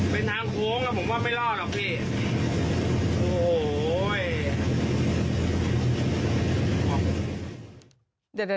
ผมว่าไม่รอหรอกพี่